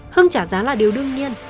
hưng trả giá là điều đương nhiên